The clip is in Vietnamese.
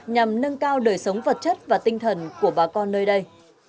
nhằm nâng cao đời sống vật chất và tinh thần của bà con nơi đây